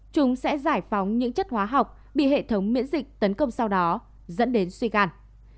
chúng sẽ giải phóng những chất hóa học bị hệ thống miễn dịch tấn công sau đó dẫn đến suy gan